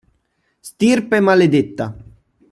Stirpe maledetta